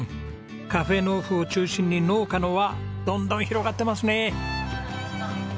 ｃａｆｅｎｆｕを中心に農家の輪どんどん広がってますね！